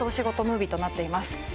ムービーとなっています。